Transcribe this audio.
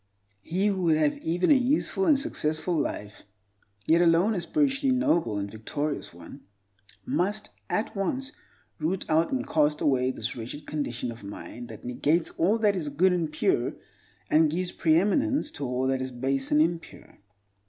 He who would have even a useful and successful life—yet alone a spiritually noble and victorious one—must at once root out and cast away this wretched condition of mind that negates all that is good and pure, and gives preeminence to all that is base and impure.